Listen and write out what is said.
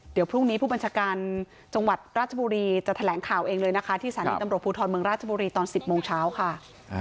เดี๋ยวพรุ่งนี้ผู้บัญชาการจังหวัดราชบุรีจะแถลงข่าวเองเลยนะคะที่สถานีตำรวจภูทรเมืองราชบุรีตอน๑๐โมงเช้าค่ะ